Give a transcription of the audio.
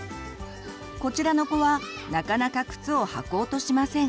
こちらの子はなかなか靴をはこうとしません。